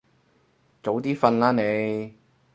早啲瞓啦你